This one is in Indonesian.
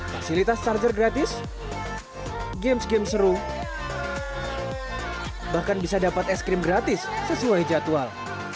fasilitas charger gratis games seru bahkan bisa dapat es krim gratis sesuai jadwal